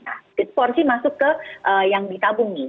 nah porsi masuk ke yang ditabung nih